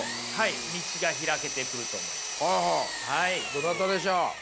どなたでしょう。